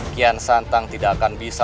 kian santang tidak akan bisa